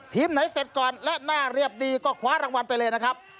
ไหนเสร็จก่อนและหน้าเรียบดีก็คว้ารางวัลไปเลยนะครับ